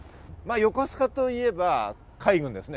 横須賀といえば海軍ですね。